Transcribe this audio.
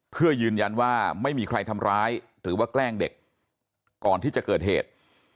เพื่อยืนยันว่าไม่มีใครทำร้ายหรือว่าแกล้งเด็กก่อนที่จะเกิดเหตุ